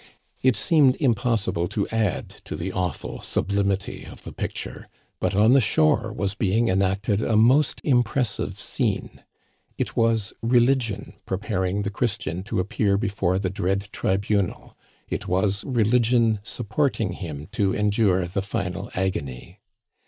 It seemed impossible to add to the awful sublimity of the picture, but on the shore was being enacted a most impressive scene. It was religion preparing the Christian to appear before the dread tribunal ; it was religion supporting him to endure the final agony.